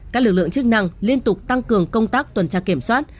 các lực lượng chức năng liên tục tăng cường công tác tuần tra kiểm soát